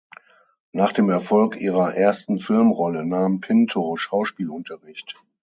Nach dem Erfolg ihrer ersten Filmrolle nahm Pinto Schauspielunterricht.